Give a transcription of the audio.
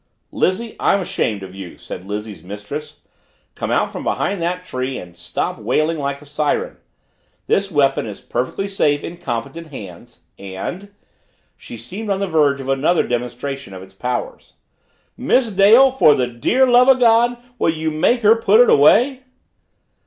"Lizzie, I'm ashamed of you!" said Lizzie's mistress. "Come out from behind that tree and stop wailing like a siren. This weapon is perfectly safe in competent hands and " She seemed on the verge of another demonstration of its powers. "MISS DALE, FOR THE DEAR LOVE O' GOD WILL YOU MAKE HER PUT IT AWAY?"